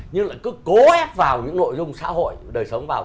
nhưng lại cứ cố ép vào những nội dung xã hội đời sống vào